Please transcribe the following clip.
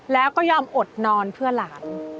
แล้วก็ยอมอดนอนเพื่อหลาน